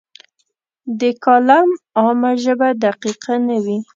د کالم عامه ژبه دقیقه نه وي.